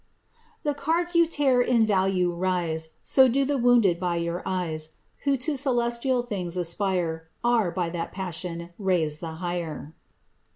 9M *'The cards you tear in Talue rise, So do the wounded by your eyes; Who to celestial things aspire. Are, by that passion, raised the higher."